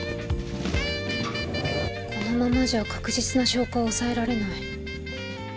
このままじゃ確実な証拠は押さえられない。